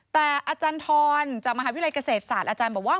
แต่อาจารย์ทรจากมหาวิทยาลัยเกษตรศาสตร์อาจารย์บอกว่า